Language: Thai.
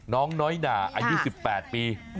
น้องน้อยหนาอายุ๑๘ปี